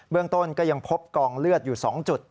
เรื่องต้นก็ยังพบกองเลือดอยู่๒จุด